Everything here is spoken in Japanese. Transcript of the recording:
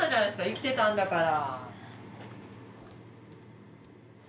生きてたんだから。